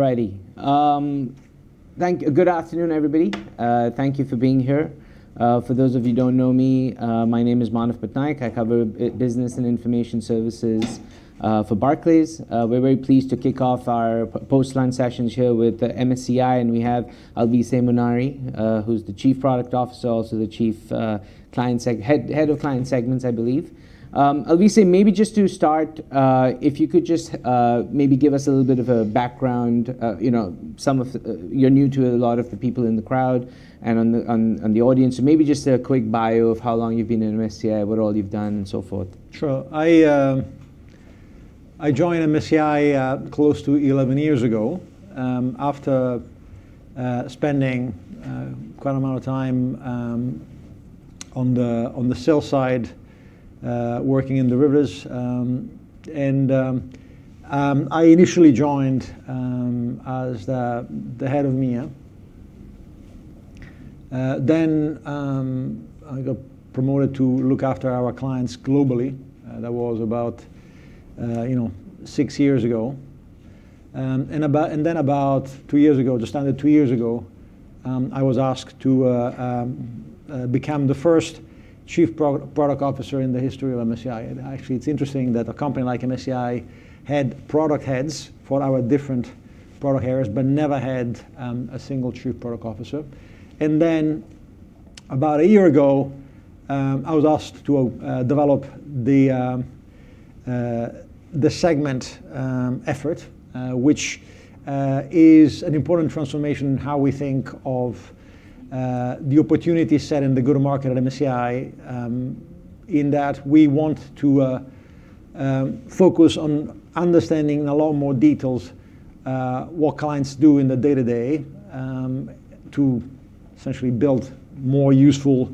All righty. Good afternoon, everybody. Thank you for being here. For those of you don't know me, my name is Manav Patnaik. I cover business and information services for Barclays. We're very pleased to kick off our post-lunch sessions here with MSCI, and we have Alvise Munari, who's the Chief Product Officer, also the Head of Client Segments, I believe. Alvise, maybe just to start, if you could just maybe give us a little bit of a background, you know, you're new to a lot of the people in the crowd and on the audience, so maybe just a quick bio of how long you've been at MSCI, what all you've done, and so forth. Sure. I joined MSCI close to 11 years ago after spending quite amount of time on the sell side working in derivatives. I initially joined as the head of EMEA. I got promoted to look after our clients globally. That was about, you know, six years ago. About, and then about two years ago, just under two years ago, I was asked to become the first Chief Product Officer in the history of MSCI. Actually, it's interesting that a company like MSCI had product heads for our different product areas but never had a single Chief Product Officer. About a year ago, I was asked to develop the segment effort, which is an important transformation in how we think of the opportunity set in the go-to-market at MSCI, in that we want to focus on understanding a lot more details what clients do in the day-to-day to essentially build more useful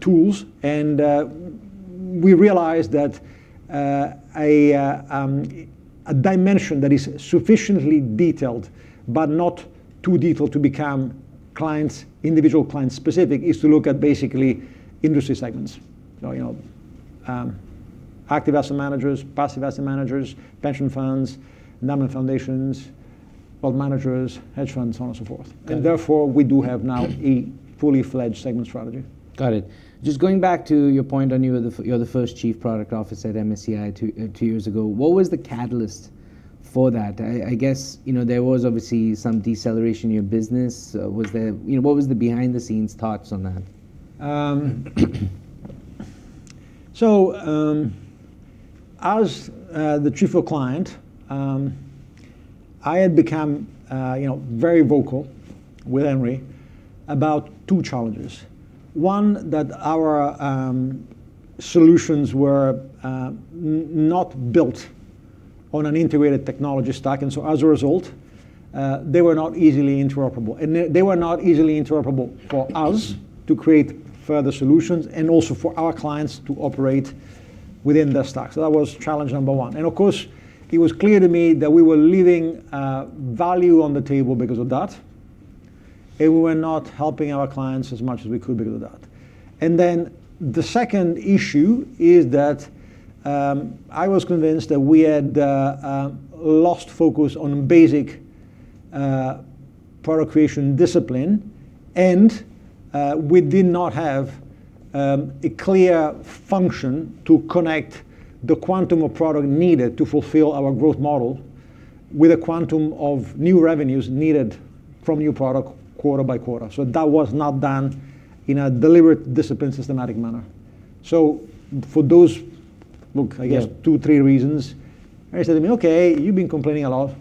tools. We realized that a dimension that is sufficiently detailed but not too detailed to become clients, individual client-specific, is to look at basically industry segments. You know, active asset managers, passive asset managers, pension funds, endowment foundations, wealth managers, hedge funds, so on and so forth. Therefore, we do have now a fully fledged segment strategy. Got it. Just going back to your point on you're the first Chief Product Officer at MSCI two years ago, what was the catalyst for that? I guess, you know, there was obviously some deceleration in your business. Was there You know, what was the behind-the-scenes thoughts on that? As the chief of client, I had become, you know, very vocal with Henry about two challenges. One, that our solutions were not built on an integrated technology stack, so as a result, they were not easily interoperable. They, they were not easily interoperable for us to create further solutions also for our clients to operate within their stacks. That was challenge number one. Of course, it was clear to me that we were leaving value on the table because of that, we were not helping our clients as much as we could because of that. The second issue is that, I was convinced that we had lost focus on basic product creation discipline, and we did not have a clear function to connect the quantum of product needed to fulfill our growth model with a quantum of new revenues needed from new product quarter-by-quarter. That was not done in a deliberate, disciplined, systematic manner. For those, look, I guess two, three reasons, Henry said to me, "Okay, you've been complaining a lot."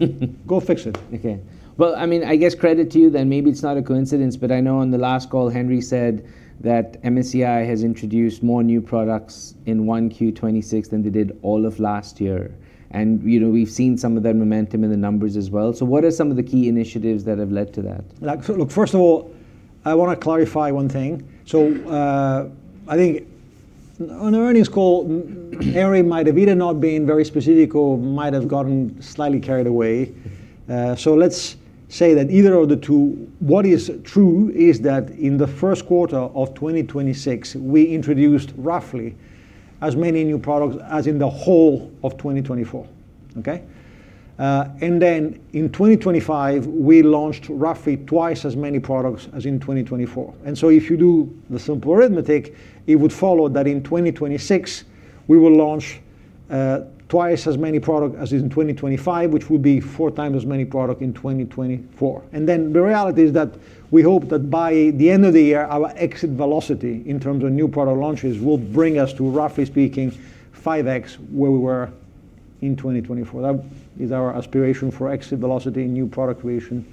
"Go fix it. Okay. Well, I mean, I guess credit to you then, maybe it's not a coincidence, but I know on the last call Henry said that MSCI has introduced more new products in 1Q 2026 than they did all of last year. You know, we've seen some of that momentum in the numbers as well. What are some of the key initiatives that have led to that? First of all, I wanna clarify one thing. I think on the earnings call, Henry might have either not been very specific or might have gotten slightly carried away. Let's say that either of the two, what is true is that in the first quarter of 2026, we introduced roughly as many new products as in the whole of 2024. Okay. In 2025, we launched roughly twice as many products as in 2024. If you do the simple arithmetic, it would follow that in 2026, we will launch twice as many product as in 2025, which will be four times as many product in 2024. The reality is that we hope that by the end of the year, our exit velocity in terms of new product launches will bring us to, roughly speaking, 5x where we were in 2024. That is our aspiration for exit velocity, new product creation.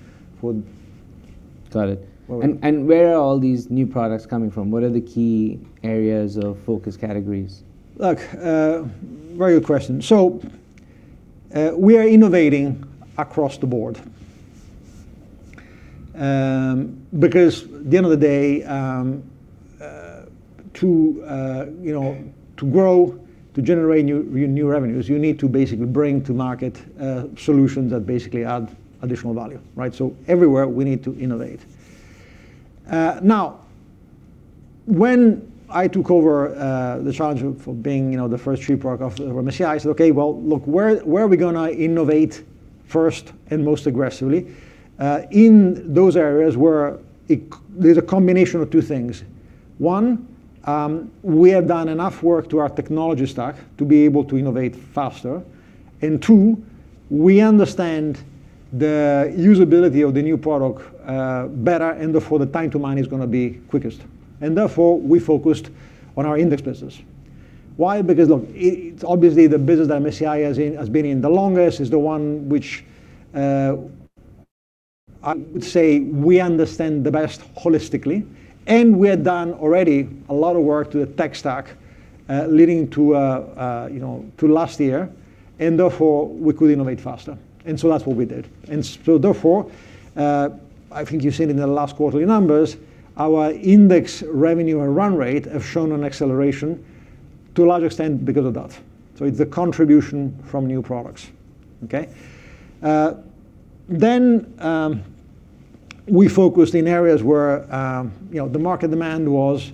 Got it. What we- Where are all these new products coming from? What are the key areas of focus categories? Very good question. We are innovating across the board. Because at the end of the day, you know, to grow, to generate new revenues, you need to basically bring to market solutions that basically add additional value, right? Everywhere we need to innovate. When I took over the challenge of being, you know, the first Chief Product Officer of MSCI, I said, "Okay." Where are we gonna innovate first and most aggressively? In those areas where there's a combination of two things. One, we have done enough work to our technology stack to be able to innovate faster. Two, we understand the usability of the new product better, and therefore the time to money is gonna be quickest. Therefore, we focused on our index business. Why? Because look, it's obviously the business that MSCI has in, has been in the longest, is the one which I would say we understand the best holistically, and we have done already a lot of work to the tech stack leading to last year, and therefore we could innovate faster. That's what we did. Therefore, I think you've seen in the last quarterly numbers our index revenue and run rate have shown an acceleration to a large extent because of that. It's the contribution from new products. Okay? We focused in areas where, you know, the market demand was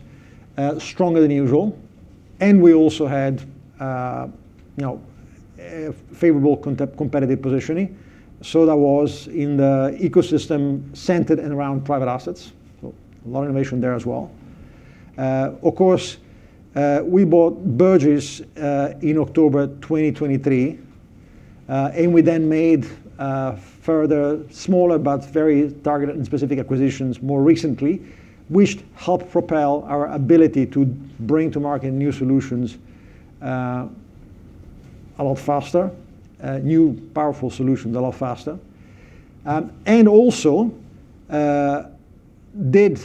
stronger than usual, and we also had, you know, favorable competitive positioning. That was in the ecosystem centered and around private assets. A lot of innovation there as well. Of course, we bought Burgiss in October 2023. We then made further smaller but very targeted and specific acquisitions more recently, which helped propel our ability to bring to market new solutions a lot faster, new powerful solutions a lot faster. Also did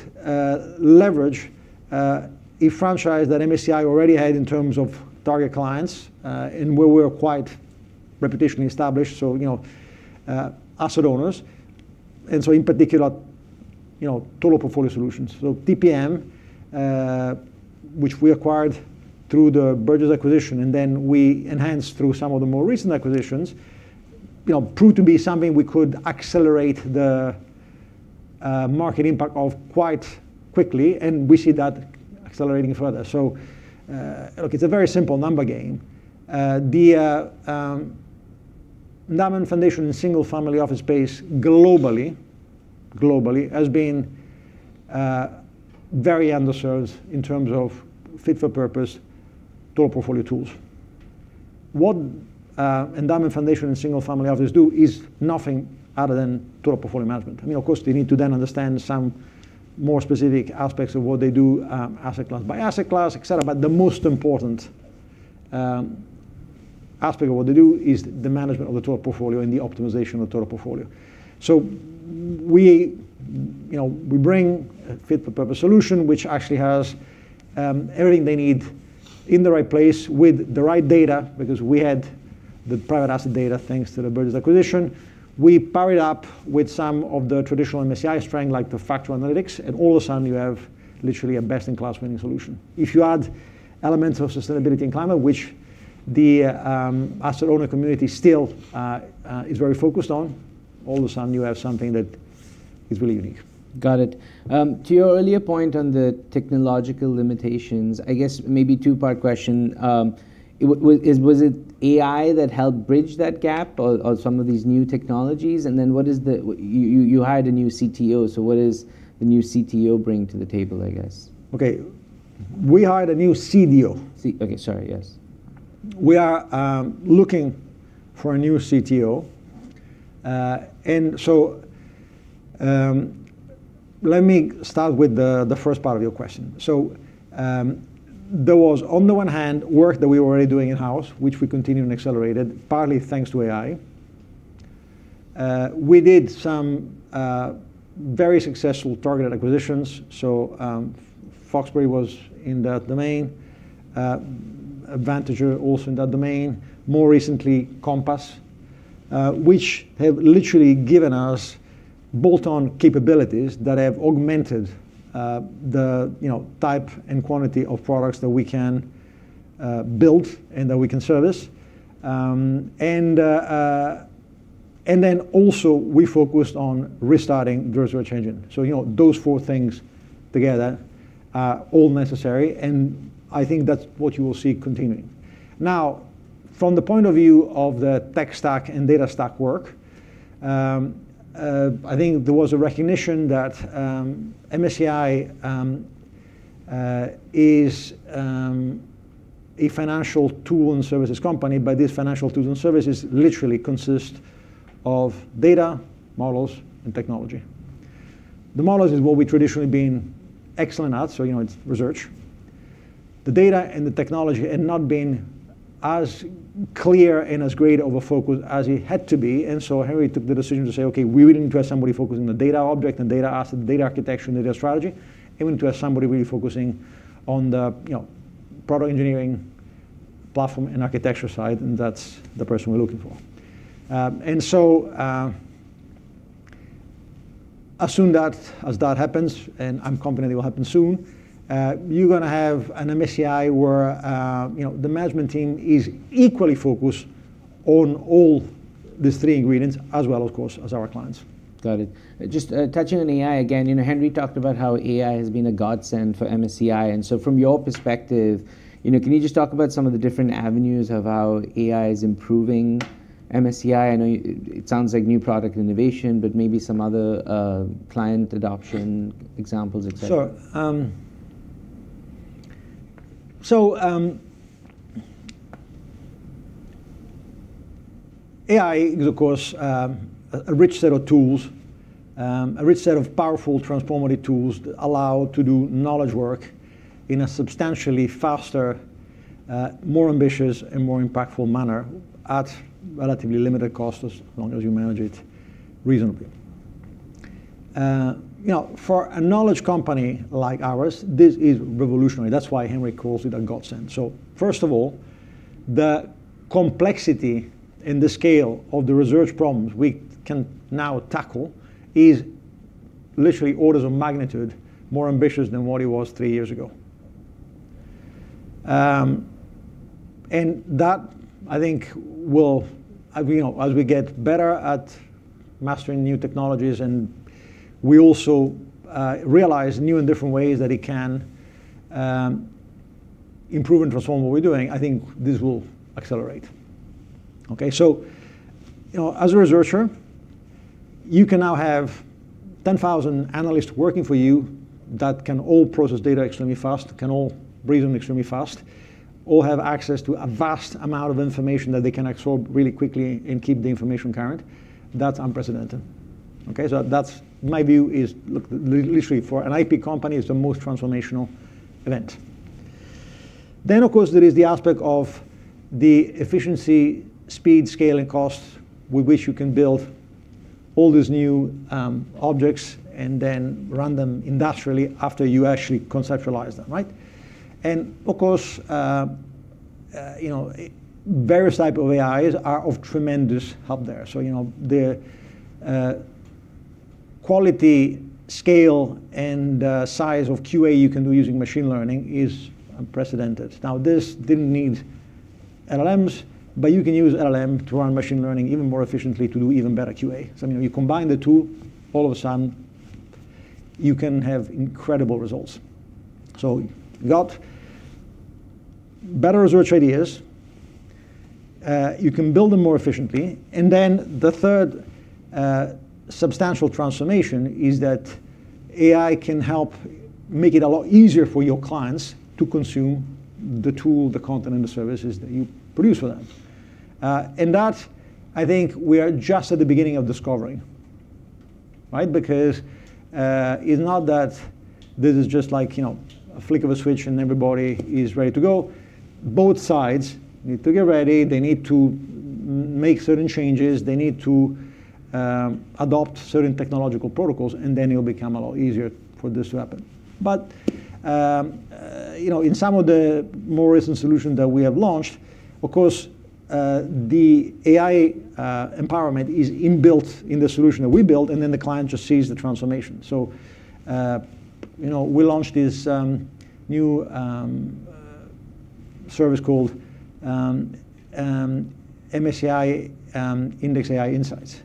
leverage a franchise that MSCI already had in terms of target clients, and where we're quite reputationally established, so you know, asset owners. In particular, you know, total portfolio solutions. TPA, which we acquired through the Burgiss acquisition, and then we enhanced through some of the more recent acquisitions, you know, proved to be something we could accelerate the market impact of quite quickly, and we see that accelerating further. Look, it's a very simple number game. The endowment foundation in single family office space globally has been very underserved in terms of fit for purpose total portfolio tools. What endowment foundation and single family offices do is nothing other than total portfolio management. I mean, of course, they need to then understand some more specific aspects of what they do, asset class by asset class, et cetera. The most important aspect of what they do is the management of the total portfolio and the optimization of total portfolio. We, you know, we bring a fit for purpose solution, which actually has everything they need in the right place with the right data, because we had the private asset data thanks to the Burgiss acquisition. We paired up with some of the traditional MSCI strength, like the factor analytics, and all of a sudden you have literally a best-in-class winning solution. If you add elements of sustainability and climate, which the asset owner community still is very focused on, all of a sudden you have something that is really unique. Got it. To your earlier point on the technological limitations, I guess maybe two-part question. Was it AI that helped bridge that gap or some of these new technologies? Then what is the you hired a new CTO, so what is the new CTO bring to the table, I guess? Okay. We hired a new CDO. Okay. Sorry, yes. We are looking for a new CTO. Let me start with the first part of your question. There was, on the one hand, work that we were already doing in-house, which we continued and accelerated partly thanks to AI. We did some very successful targeted acquisitions. Foxberry was in that domain. Vantager also in that domain. More recently, Compass, which have literally given us bolt-on capabilities that have augmented the, you know, type and quantity of products that we can build and that we can service. Also we focused on restarting research engine. You know, those four things together are all necessary, and I think that's what you will see continuing. From the point of view of the tech stack and data stack work, I think there was a recognition that MSCI is a financial tool and services company, but these financial tools and services literally consist of data, models, and technology. The models is what we've traditionally been excellent at, you know, it's research. The data and the technology had not been as clear and as great of a focus as it had to be, Henry took the decision to say, "Okay, we really need to have somebody focusing on data object and data asset, data architecture, and data strategy. We need to have somebody really focusing on the, you know, product engineering platform and architecture side," and that's the person we're looking for. As soon as that happens, and I'm confident it will happen soon, you're gonna have an MSCI where, you know, the management team is equally focused-Own all these three ingredients, as well, of course, as our clients. Got it. Just touching on AI again, you know, Henry talked about how AI has been a godsend for MSCI. From your perspective, you know, can you just talk about some of the different avenues of how AI is improving MSCI? I know it sounds like new product innovation, but maybe some other client adoption examples, et cetera. Sure. AI is, of course, a rich set of tools, a rich set of powerful transformative tools that allow to do knowledge work in a substantially faster, more ambitious, and more impactful manner at relatively limited cost, as long as you manage it reasonably. You know, for a knowledge company like ours, this is revolutionary. That's why Henry calls it a godsend. First of all, the complexity and the scale of the research problems we can now tackle is literally orders of magnitude more ambitious than what it was three years ago. And that, I think, will You know, as we get better at mastering new technologies, and we also realize new and different ways that it can improve and transform what we're doing, I think this will accelerate. Okay, you know, as a researcher, you can now have 10,000 analysts working for you that can all process data extremely fast, can all reason extremely fast, all have access to a vast amount of information that they can absorb really quickly and keep the information current. That's unprecedented. Okay. That's My view is literally for an IP company, it's the most transformational event. Of course, there is the aspect of the efficiency, speed, scale, and cost with which you can build all these new objects and then run them industrially after you actually conceptualize them, right. Of course, you know, various type of AIs are of tremendous help there. You know, the quality, scale, and size of QA you can do using machine learning is unprecedented. This didn't need LLMs, but you can use LLM to run machine learning even more efficiently to do even better QA. You know, you combine the two, all of a sudden you can have incredible results. You got better research ideas, you can build them more efficiently, and then the third substantial transformation is that AI can help make it a lot easier for your clients to consume the tool, the content, and the services that you produce for them. That, I think, we are just at the beginning of discovering, right? It's not that this is just like, you know, a flick of a switch, everybody is ready to go. Both sides need to get ready. They need to make certain changes. They need to adopt certain technological protocols, and then it'll become a lot easier for this to happen. You know, in some of the more recent solutions that we have launched, of course, the AI empowerment is inbuilt in the solution that we built, and then the client just sees the transformation. You know, we launched this new service called MSCI Index AI Insights.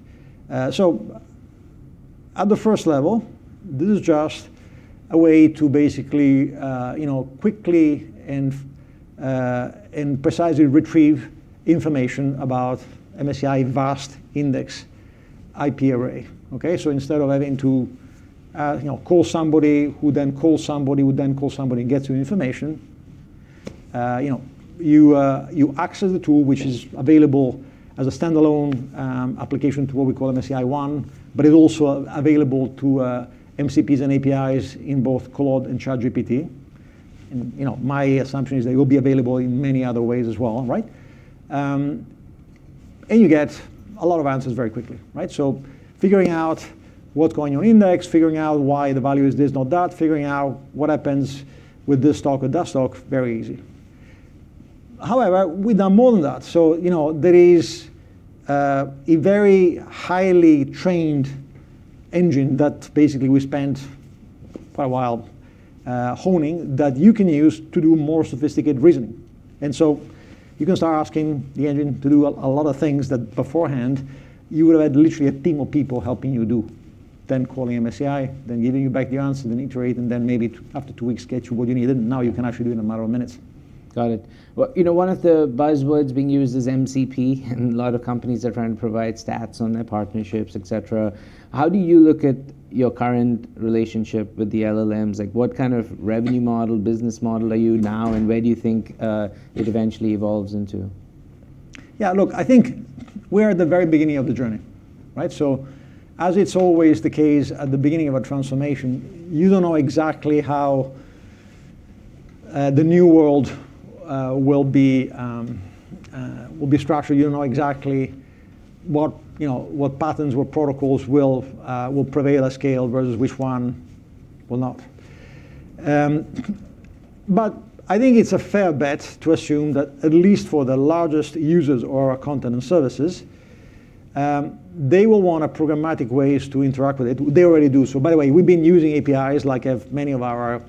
At the first level, this is just a way to basically, you know, quickly and precisely retrieve information about MSCI vast index IP array, okay. Instead of having to, you know, call somebody, who then calls somebody, who then calls somebody and gets you information, you know, you access the tool, which is available as a standalone application to what we call MSCI ONE. It's also available to MCPs and APIs in both Claude and ChatGPT. You know, my assumption is that it will be available in many other ways as well, right? You get a lot of answers very quickly, right? Figuring out what's going on in index, figuring out why the value is this, not that, figuring out what happens with this stock or that stock, very easy. However, we've done more than that. You know, there is a very highly trained engine that basically we spent quite a while honing that you can use to do more sophisticated reasoning. You can start asking the engine to do a lot of things that beforehand you would have had literally a team of people helping you do. Them calling MSCI, them giving you back the answer, then iterate, and then maybe up to two weeks, get you what you needed. You can actually do it in a matter of minutes. Got it. Well, you know, one of the buzzwords being used is MCP, and a lot of companies are trying to provide stats on their partnerships, et cetera. How do you look at your current relationship with the LLMs? Like, what kind of revenue model, business model are you now, and where do you think it eventually evolves into? Yeah, look, I think we're at the very beginning of the journey, right? As it's always the case at the beginning of a transformation, you don't know exactly how the new world will be structured. You don't know exactly what, you know, what patterns, what protocols will prevail at scale versus which one will not. I think it's a fair bet to assume that at least for the largest users of our content and services. They will want a programmatic ways to interact with it. They already do. By the way, we've been using APIs, like, have many of our,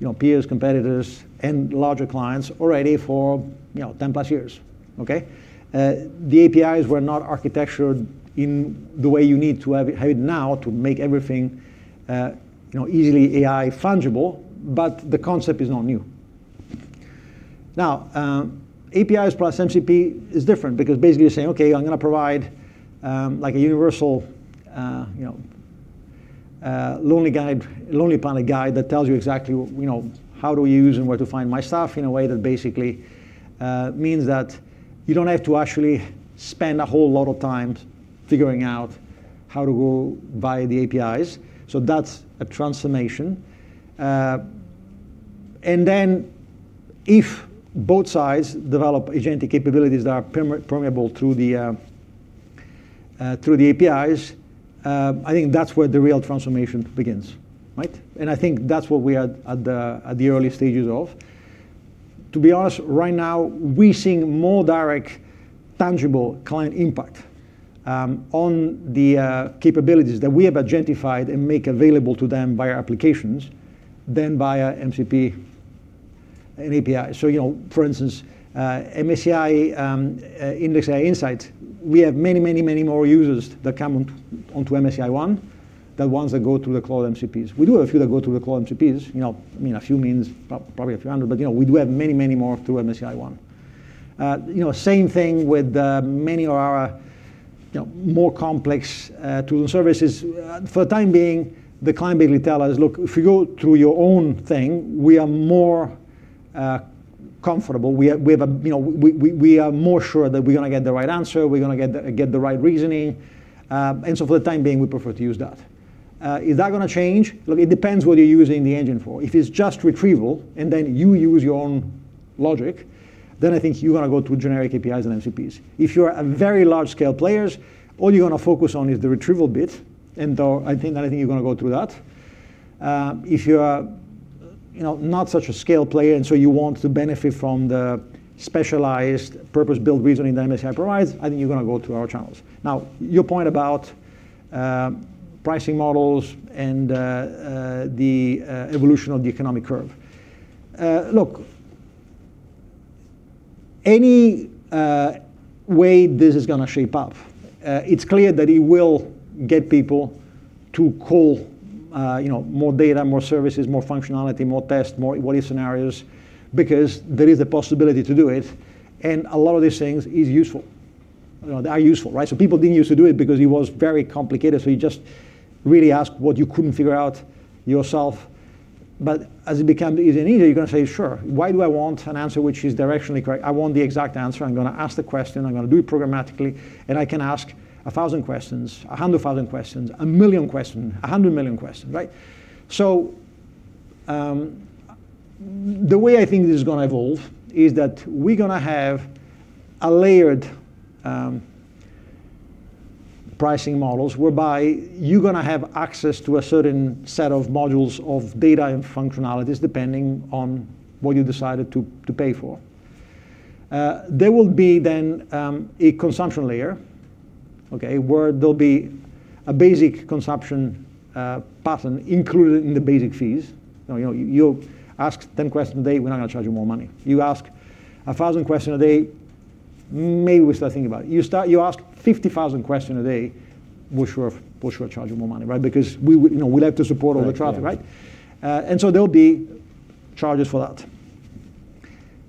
you know, peers, competitors, and larger clients already for, you know, 10 plus years. Okay. The APIs were not architectured in the way you need to have it now to make everything, you know, easily AI fungible, but the concept is not new. APIs plus MCP is different because basically you're saying, "Okay, I'm gonna provide, like, a universal, you know, Lonely Planet guide that tells you exactly, you know, how to use and where to find my stuff," in a way that basically, means that you don't have to actually spend a whole lot of time figuring out how to go via the APIs. That's a transformation. Then if both sides develop agentic capabilities that are permeable through the, through the APIs, I think that's where the real transformation begins, right. I think that's what we are at the, at the early stages of. To be honest, right now, we're seeing more direct tangible client impact on the capabilities that we have agentified and make available to them via applications than via MCP and API. You know, for instance, MSCI Index AI Insights, we have many more users that come onto MSCI ONE than ones that go through the cloud MCPs. We do have a few that go through the cloud MCPs. You know, I mean a few means probably a few hundred, but you know, we do have many more through MSCI ONE. You know, same thing with many of our, you know, more complex tool services. For the time being, the client basically tell us, "Look, if you go through your own thing, we are more comfortable. We have a, you know, we are more sure that we're gonna get the right answer, we're gonna get the right reasoning. For the time being, we prefer to use that. Is that gonna change? Look, it depends what you're using the engine for. If it's just retrieval, and then you use your own logic, then I think you're gonna go to generic APIs and MCPs. If you're a very large scale players, all you're gonna focus on is the retrieval bit, and I think you're gonna go through that. If you're, you know, not such a scale player and so you want to benefit from the specialized purpose-built reasoning that MSCI provides, I think you're gonna go to our channels. Now, your point about pricing models and the evolution of the economic curve. Look, any way this is gonna shape up, it's clear that it will get people to call, you know, more data, more services, more functionality, more tests, more what-if scenarios, because there is a possibility to do it, and a lot of these things is useful. You know, they are useful, right? People didn't use to do it because it was very complicated, so you just really ask what you couldn't figure out yourself. As it become easier and easier, you're gonna say, "Sure, why do I want an answer which is directionally correct? I want the exact answer. I'm gonna ask the question, I'm gonna do it programmatically, and I can ask 1,000 questions, 100,000 questions, 1 million question, 100 million questions, right? The way I think this is gonna evolve is that we're gonna have a layered pricing models whereby you're gonna have access to a certain set of modules of data and functionalities depending on what you decided to pay for. There will be then a consumption layer, okay? Where there'll be a basic consumption pattern included in the basic fees. You know, you ask 10 question a day, we're not gonna charge you more money. You ask 1,000 question a day, maybe we start thinking about it. You ask 50,000 question a day, we're sure charge you more money, right? Because we, you know, we'd like to support all the traffic, right? Right. There'll be charges for that.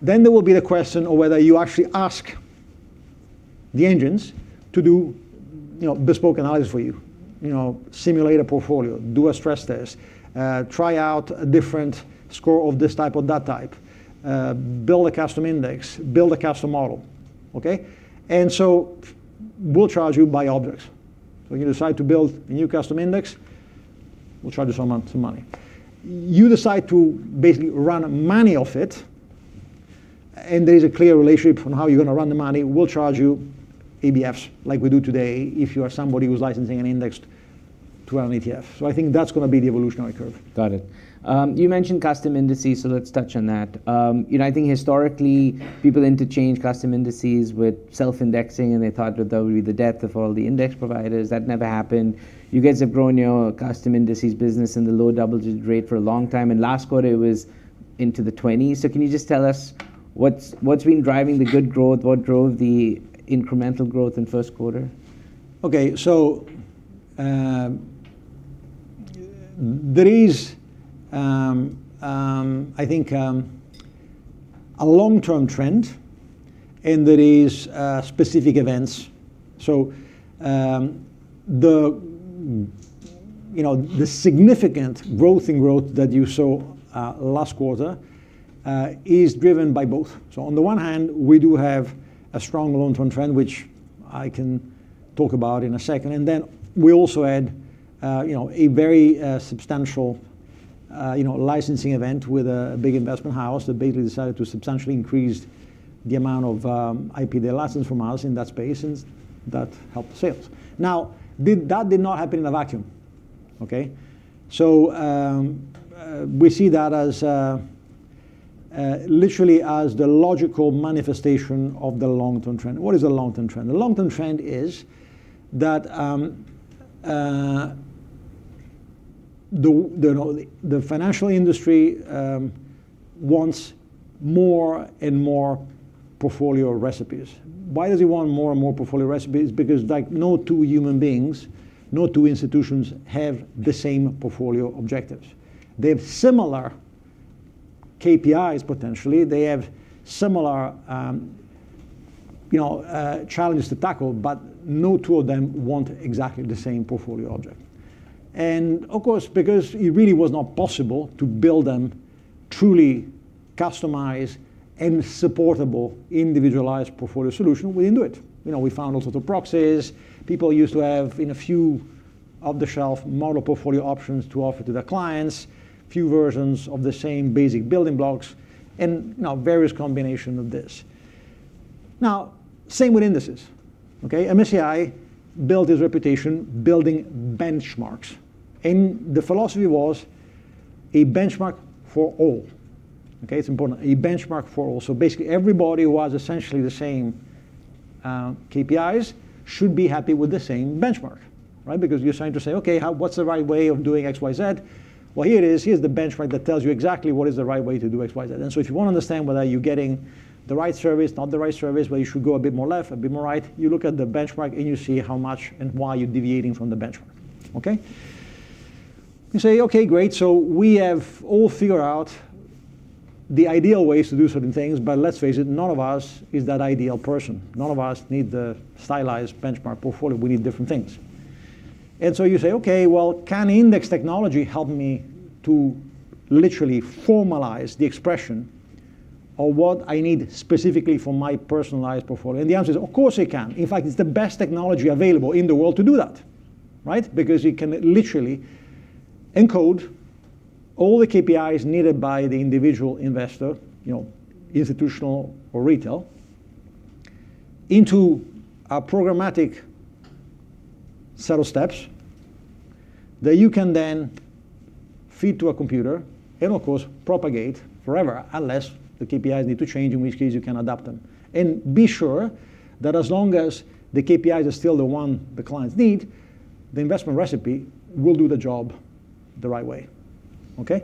There will be the question of whether you actually ask the engines to do, you know, bespoke analysis for you. You know, simulate a portfolio, do a stress test, try out a different score of this type or that type, build a custom index, build a custom model. Okay? We'll charge you by objects. You decide to build a new custom index, we'll charge you some money. You decide to basically run money off it, and there is a clear relationship on how you're gonna run the money, we'll charge you ABFs like we do today if you are somebody who's licensing an index to run an ETF. I think that's gonna be the evolutionary curve. Got it. You mentioned custom indices, so let's touch on that. You know, I think historically people interchange custom indices with self-indexing, and they thought that that would be the death of all the index providers. That never happened. You guys have grown your custom indices business in the low double digit rate for a long time, and last quarter it was into the 20s. Can you just tell us what's been driving the good growth? What drove the incremental growth in first quarter? There is, I think, a long-term trend, and there is specific events. The, you know, the significant growth in growth that you saw last quarter is driven by both. On the one hand, we do have a strong long-term trend, which I can talk about in a second. We also had, you know, a very substantial, you know, licensing event with a big investment house that basically decided to substantially increase the amount of IP they license from us in that space, and that helped sales. That did not happen in a vacuum. We see that as literally as the logical manifestation of the long-term trend. What is the long-term trend? The long-term trend is that the financial industry wants more and more portfolio recipes. Why does it want more and more portfolio recipes? Because, like, no two human beings, no two institutions have the same portfolio objectives. They have similar KPIs, potentially, they have similar, you know, challenges to tackle, but no two of them want exactly the same portfolio objective. Of course, because it really was not possible to build them truly customized and supportable individualized portfolio solution, we didn't do it. You know, we found all sorts of proxies. People used to have, you know, a few off-the-shelf model portfolio options to offer to their clients, a few versions of the same basic building blocks and, you know, various combination of this. Now, same with indices, okay? MSCI built its reputation building benchmarks, and the philosophy was a benchmark for all, okay? It's important. A benchmark for all. Basically, everybody who has essentially the same KPIs should be happy with the same benchmark, right? Because you're starting to say, okay, what's the right way of doing XYZ? Well, here it is. Here's the benchmark that tells you exactly what is the right way to do XYZ. If you wanna understand whether you're getting the right service, not the right service, whether you should go a bit more left, a bit more right, you look at the benchmark, and you see how much and why you're deviating from the benchmark, okay? You say, okay, great, so we have all figured out the ideal ways to do certain things, but let's face it, none of us is that ideal person. None of us need the stylized benchmark portfolio. We need different things. You say, okay, well, can index technology help me to literally formalize the expression of what I need specifically for my personalized portfolio. The answer is, of course it can. In fact, it's the best technology available in the world to do that, right. Because it can literally encode all the KPIs needed by the individual investor, you know, institutional or retail, into a programmatic set of steps that you can then feed to a computer and, of course, propagate forever, unless the KPIs need to change, in which case you can adapt them. Be sure that as long as the KPIs are still the one the clients need, the investment recipe will do the job the right way, okay.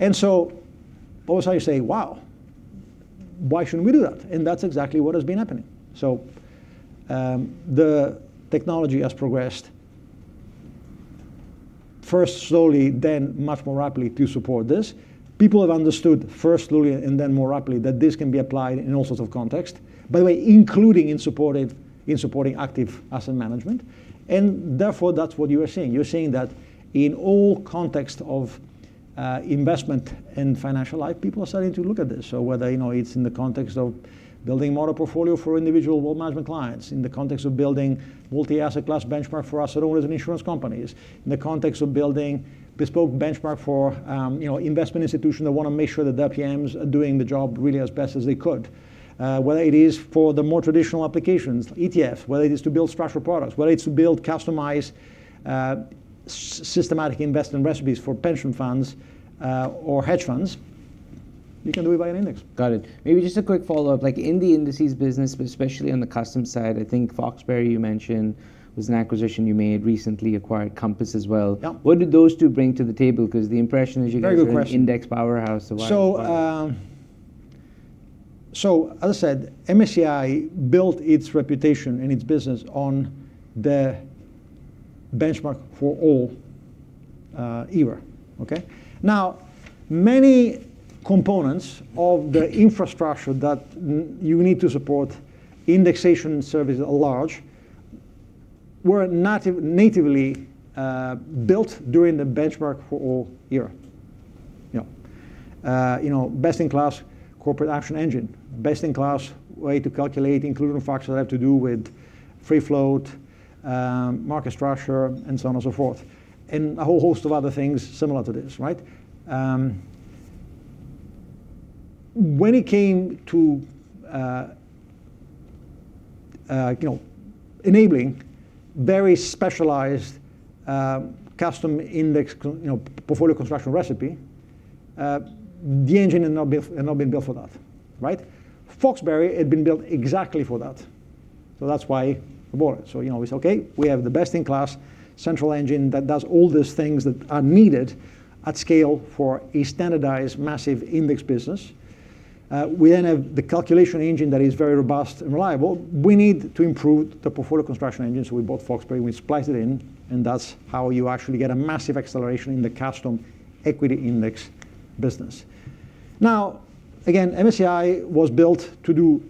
All of a sudden you say, "Wow, why shouldn't we do that?" That's exactly what has been happening. The technology has progressed first slowly, then much more rapidly to support this. People have understood first slowly and then more rapidly that this can be applied in all sorts of context. By the way, including in supporting active asset management, and therefore that's what you are seeing. You're seeing that in all context of investment and financial life, people are starting to look at this. Whether, you know, it's in the context of building model portfolio for individual wealth management clients, in the context of building multi-asset class benchmark for asset owners and insurance companies, in the context of building bespoke benchmark for, you know, investment institution that wanna make sure that their PMs are doing the job really as best as they could. Whether it is for the more traditional applications, ETF, whether it is to build structural products, whether it's to build customized, systematic investment recipes for pension funds, or hedge funds, you can do it by an index. Got it. Maybe just a quick follow-up, like in the indices business, but especially on the custom side, I think Foxberry you mentioned was an acquisition you made, recently acquired Compass as well. What do those two bring to the table? 'Cause the impression is you guys- Very good question. are an index powerhouse. Why acquire? As I said, MSCI built its reputation and its business on the benchmark for all era. Many components of the infrastructure that you need to support indexation services at large were not natively built during the benchmark for all era. You know, best in class corporate action engine, best in class way to calculate including factors that have to do with free float, market structure, and so on and so forth, and a whole host of other things similar to this. When it came to enabling very specialized custom index portfolio construction recipe, the engine had not been built for that. Foxberry had been built exactly for that. That's why we bought it. You know, we said, okay, we have the best in class central engine that does all these things that are needed at scale for a standardized massive index business. We then have the calculation engine that is very robust and reliable. We need to improve the portfolio construction engine, so we bought Foxberry, and we spliced it in, and that's how you actually get a massive acceleration in the custom equity index business. Now, again, MSCI was built to do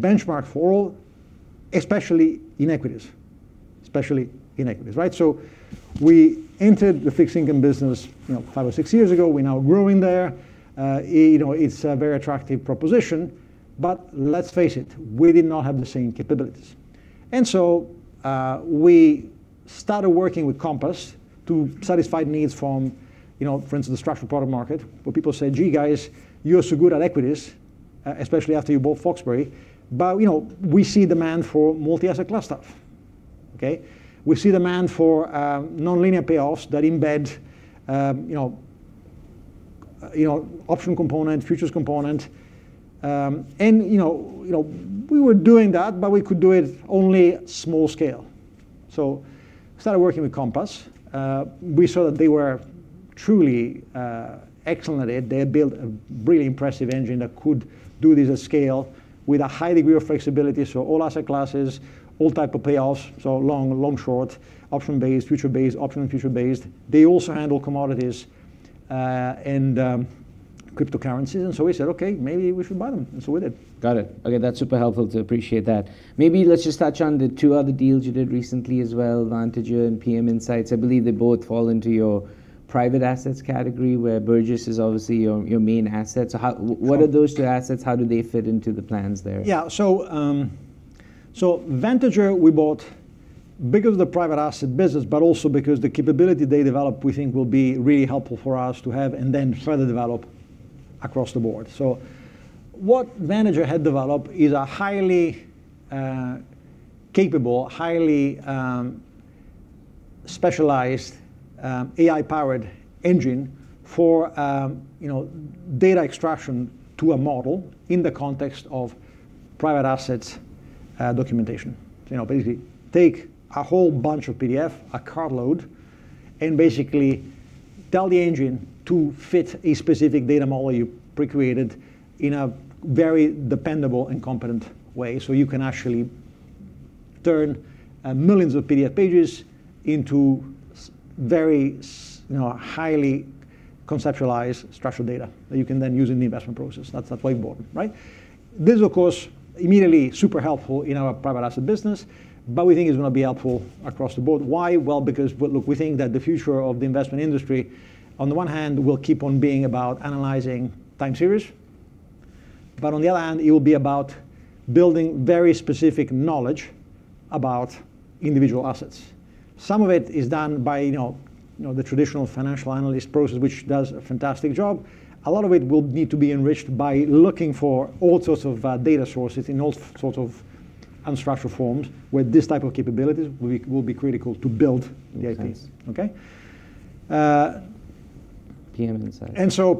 benchmark for all, especially in equities. Especially in equities, right? We entered the fixed income business, you know, five or six years ago. We're now growing there. You know, it's a very attractive proposition, but let's face it, we did not have the same capabilities. We started working with Compass to satisfy needs from, you know, for instance, the structural product market, where people say, "Gee, guys, you're so good at equities, especially after you bought Foxberry, but, you know, we see demand for multi-asset class stuff." Okay. We see demand for non-linear payoffs that embed, you know, option component, futures component. You know, we were doing that, but we could do it only small scale. Started working with Compass. We saw that they were truly excellent at it. They had built a really impressive engine that could do this at scale with a high degree of flexibility. All asset classes, all type of payoffs, long, short, option-based, future-based, option and future-based. They also handle commodities and cryptocurrencies. We said, okay, maybe we should buy them. We did. Got it. Okay. That's super helpful too, appreciate that. Maybe let's just touch on the two other deals you did recently as well, Vantager and PM Insights. I believe they both fall into your private assets category, where Burgiss is obviously your main asset. What are those two assets? How do they fit into the plans there? Yeah. Vantager we bought because of the private asset business, but also because the capability they developed we think will be really helpful for us to have and then further develop across the board. What Vantager had developed is a highly capable, highly specialized AI-powered engine for, you know, data extraction to a model in the context of private assets documentation. You know, basically take a whole bunch of PDF, a cart load, and basically tell the engine to fit a specific data model you pre-created in a very dependable and competent way. You can actually turn millions of PDF pages into you know, highly conceptualized structural data that you can then use in the investment process. That's way more, right? This of course, immediately super helpful in our private asset business, but we think it's gonna be helpful across the board. Why? Well, because look, we think that the future of the investment industry on the one hand will keep on being about analyzing time series. On the other hand, it'll be about building very specific knowledge about individual assets. Some of it is done by, you know, the traditional financial analyst process, which does a fantastic job. A lot of it will need to be enriched by looking for all sorts of data sources in all sorts of unstructured forms where this type of capabilities will be critical to build the IP. Makes sense. okay. PM Insights.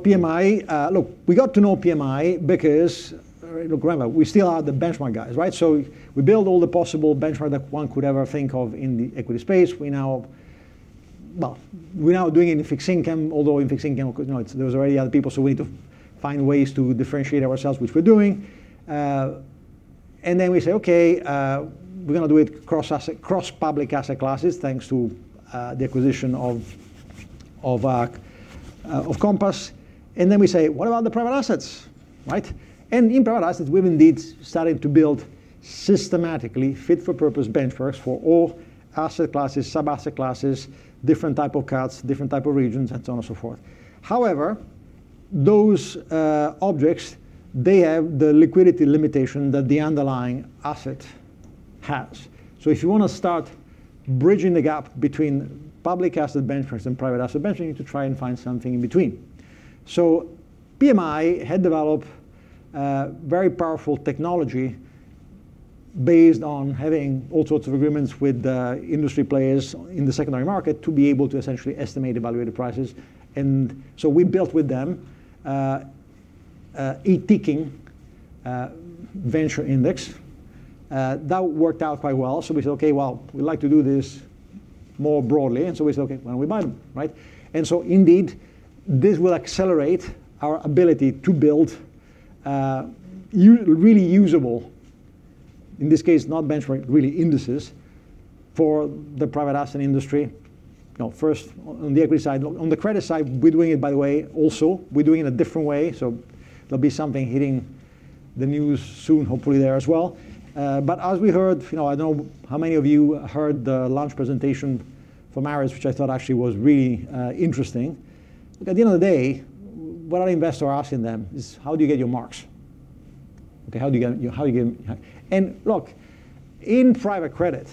PMI, look, we got to know PMI because look, remember, we still are the benchmark guys, right? We build all the possible benchmark that one could ever think of in the equity space. We're now doing it in fixed income, although in fixed income, of course, you know, it's, there's already other people, we need to find ways to differentiate ourselves, which we're doing. We say, okay, we're gonna do it cross asset, cross public asset classes, thanks to the acquisition of Compass. We say, what about the private assets, right? In private assets, we've indeed started to build systematically fit for purpose benchmarks for all asset classes, sub asset classes, different type of cuts, different type of regions, and so on and so forth. However, those objects, they have the liquidity limitation that the underlying asset has. If you wanna start bridging the gap between public asset benchmarks and private asset benchmark, you need to try and find something in between. PMI had developed a very powerful technology based on having all sorts of agreements with the industry players in the secondary market to be able to essentially estimate evaluated prices. We built with them a tracking venture index. That worked out quite well. We said, okay, well, we'd like to do this more broadly. We said, okay, why don't we buy them? Right? Indeed, this will accelerate our ability to build really usable, in this case, not benchmarking really indices for the private asset industry. No, first on the equity side. On the credit side, we're doing it by the way also. We're doing it a different way. There'll be something hitting the news soon, hopefully there as well. As we heard, you know, I don't know how many of you heard the launch presentation from Ares, which I thought actually was really interesting. At the end of the day, what our investors are asking them is, how do you get your marks? Okay, how do you get? Look, in private credit,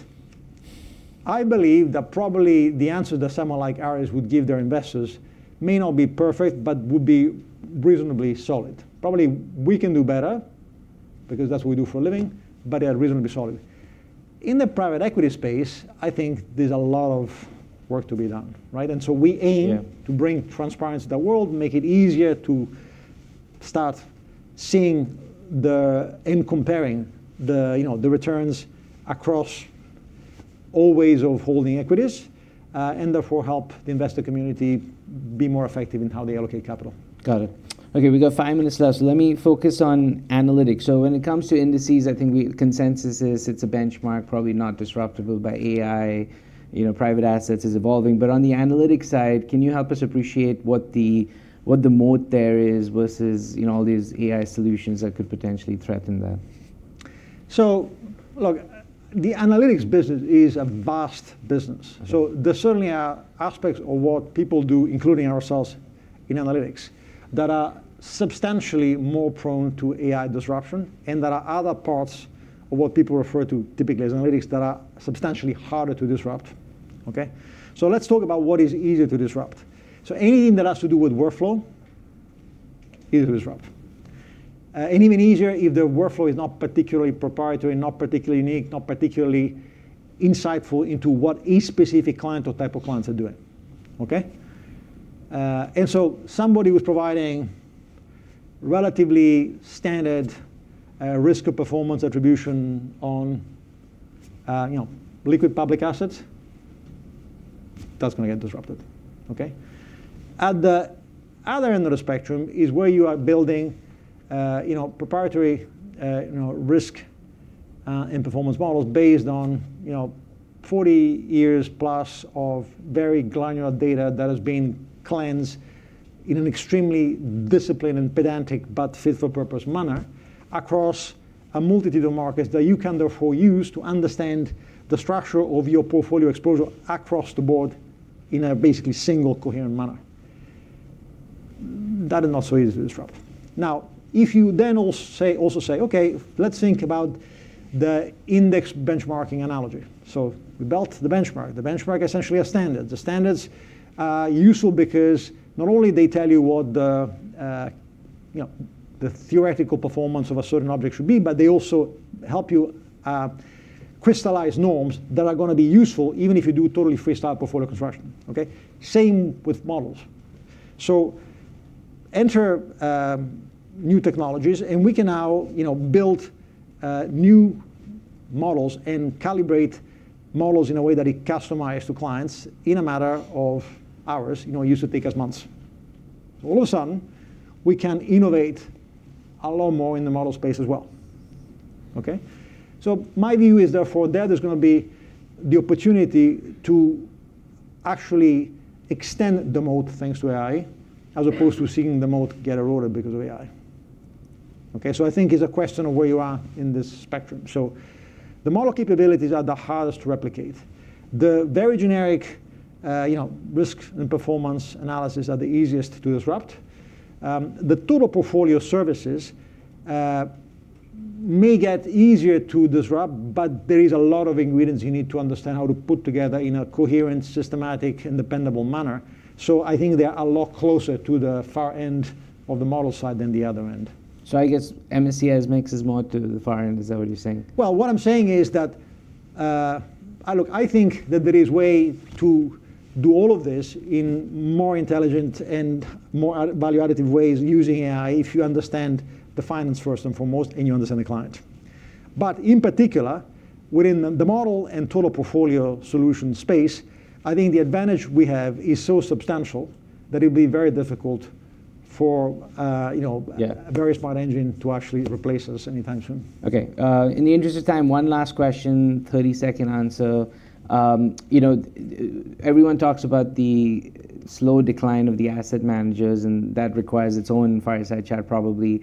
I believe that probably the answer that someone like Ares would give their investors may not be perfect, but would be reasonably solid. Probably we can do better because that's what we do for a living, but they are reasonably solid. In the private equity space, I think there's a lot of work to be done, right? we aim- to bring transparency to the world, make it easier to start seeing the, and comparing the, you know, the returns across all ways of holding equities. Therefore help the investor community be more effective in how they allocate capital. Got it. Okay, we got five minutes left. Let me focus on analytics. When it comes to indices, I think we consensus is it's a benchmark, probably not disruptable by AI. You know, private assets is evolving. On the analytics side, can you help us appreciate what the, what the moat there is versus, you know, all these AI solutions that could potentially threaten that? Look, the analytics business is a vast business. There certainly are aspects of what people do, including ourselves in analytics, that are substantially more prone to AI disruption. There are other parts of what people refer to typically as analytics that are substantially harder to disrupt. Okay. Let's talk about what is easier to disrupt. Anything that has to do with workflow. Even easier if the workflow is not particularly proprietary, not particularly unique, not particularly insightful into what a specific client or type of clients are doing. Okay. Somebody who's providing relatively standard, risk of performance attribution on, you know, liquid public assets, that's gonna get disrupted. Okay. At the other end of the spectrum is where you are building, you know, proprietary, you know, risk, and performance models based on, you know, 40 years plus of very granular data that has been cleansed in an extremely disciplined and pedantic, but fit for purpose manner across a multitude of markets that you can therefore use to understand the structure of your portfolio exposure across the board in a basically single coherent manner. That is not so easy to disrupt. If you then also say, Okay, let's think about the index benchmarking analogy. We built the benchmark. The benchmark essentially a standard. The standards are useful because not only they tell you what the, you know, the theoretical performance of a certain object should be, but they also help you crystallize norms that are going to be useful even if you do totally freestyle portfolio construction. Okay. Same with models. Enter new technologies, and we can now, you know, build new models and calibrate models in a way that it customize to clients in a matter of hours, you know, used to take us months. All of a sudden, we can innovate a lot more in the model space as well. Okay. My view is therefore there's going to be the opportunity to actually extend the moat thanks to AI, as opposed to seeing the moat get eroded because of AI. Okay, I think it's a question of where you are in this spectrum. The model capabilities are the hardest to replicate. The very generic, you know, risk and performance analysis are the easiest to disrupt. The total portfolio services may get easier to disrupt, but there is a lot of ingredients you need to understand how to put together in a coherent, systematic, and dependable manner. I think they're a lot closer to the far end of the model side than the other end. I guess MSCI's mix is more to the far end. Is that what you're saying? Well, what I'm saying is that, I think that there is way to do all of this in more intelligent and more value additive ways using AI if you understand the finance first and foremost, and you understand the client. In particular, within the model and total portfolio solution space, I think the advantage we have is so substantial that it'll be very difficult for, you know a very smart engine to actually replace us anytime soon. Okay. In the interest of time, one last question, 30-second answer. You know, everyone talks about the slow decline of the asset managers, that requires its own fireside chat probably.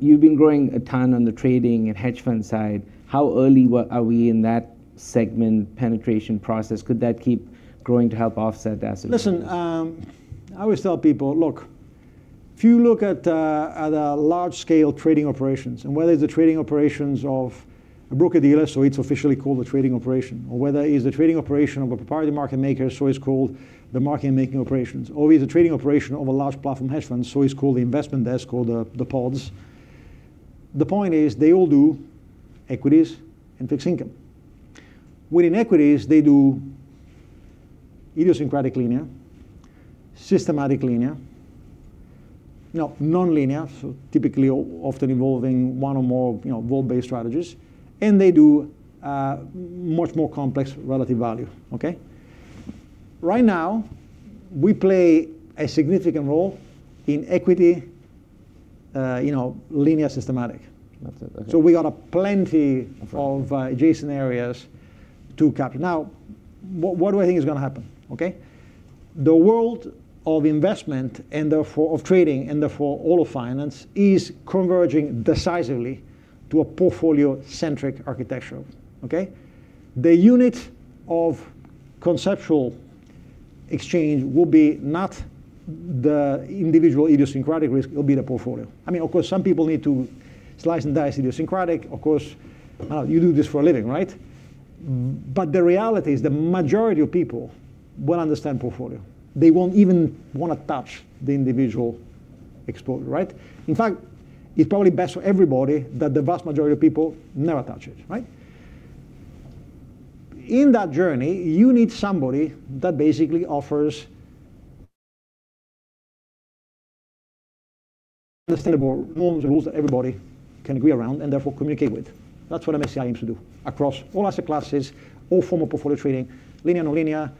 You've been growing a ton on the trading and hedge fund side. How early are we in that segment penetration process? Could that keep growing to help offset the asset? Listen, I always tell people, look, if you look at a large scale trading operations, and whether it's the trading operations of a broker-dealer, so it's officially called the trading operation, or whether it's the trading operation of a proprietary market maker, so it's called the market making operations, or it's a trading operation of a large platform hedge fund, so it's called the investment desk, or the pods. The point is they all do equities and fixed income. Within equities, they do idiosyncratic linear, systematic linear, you know, nonlinear, so typically or often involving one or more, you know, vol-based strategies, and they do much more complex relative value. Okay. Right now, we play a significant role in equity, you know, linear systematic. That's it. Okay. We got plenty of adjacent areas to capture. Now, what do I think is gonna happen? Okay. The world of investment, and therefore of trading, and therefore all of finance, is converging decisively to a portfolio-centric architecture. Okay. The unit of conceptual exchange will be not the individual idiosyncratic risk, it will be the portfolio. I mean, of course, some people need to slice and dice idiosyncratic. Of course, you do this for a living, right? The reality is the majority of people will understand portfolio. They won't even wanna touch the individual exposure, right? In fact, it's probably best for everybody that the vast majority of people never touch it, right? In that journey, you need somebody that basically offers understandable rules that everybody can agree around, and therefore communicate with. That's what MSCI aims to do across all asset classes, all form of portfolio trading, linear, nonlinear,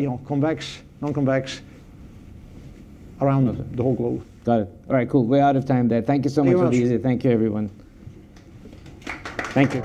you know, convex, non-convex, around the whole globe. Got it. All right, cool. We're out of time there. Thank you so much. Thanks Thank you, everyone. Thank you.